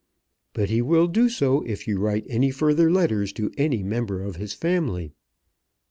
"But he will do so if you write any further letters to any member of his family."